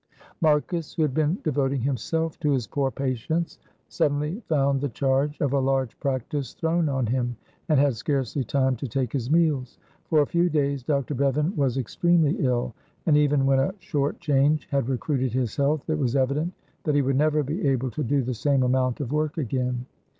Marcus, who had been devoting himself to his poor patients, suddenly found the charge of a large practice thrown on him, and had scarcely time to take his meals. For a few days Dr. Bevan was extremely ill, and even when a short change had recruited his health it was evident that he would never be able to do the same amount of work again.